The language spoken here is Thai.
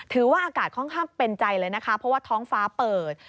ถือว่าอากาศค่อนข้างเป็นใจเลยนะคะเพราะว่าท้องฟ้าเปิด